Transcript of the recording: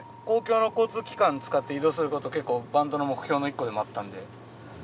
公共の交通機関使って移動すること結構バンドの目標の一個でもあったんで。